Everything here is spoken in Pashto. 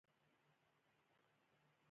دا برخه د لس سلنه پانګوالو لخوا تولیدېدله